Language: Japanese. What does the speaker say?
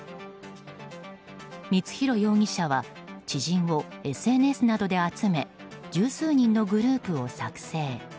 光弘容疑者は知人をＳＮＳなどで集め十数人のグループを作成。